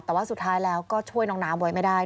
แต่ว่าสุดท้ายแล้วก็ช่วยน้องน้ำไว้ไม่ได้